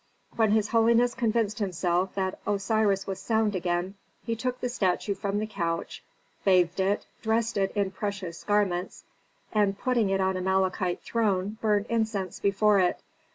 When his holiness convinced himself that Osiris was sound again he took the statue from the couch, bathed it, dressed it in precious garments, and putting it on a malachite throne burnt incense before it.